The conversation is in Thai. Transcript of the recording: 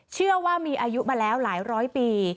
เชื่อว่ามีอายุมาแล้วหลายร้อยปี